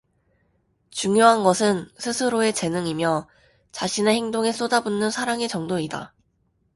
중요한 것은 스스로의 재능이며, 자신의 행동에 쏟아 붓는 사랑의 정도이다.